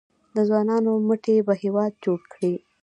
د ځوانانو مټې به هیواد جوړ کړي؟